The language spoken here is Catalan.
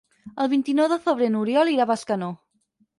El vint-i-nou de febrer n'Oriol irà a Bescanó.